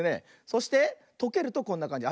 そしてとけるとこんなかんじ。